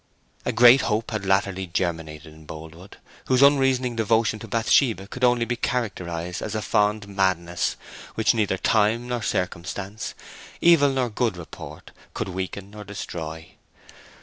A great hope had latterly germinated in Boldwood, whose unreasoning devotion to Bathsheba could only be characterized as a fond madness which neither time nor circumstance, evil nor good report, could weaken or destroy.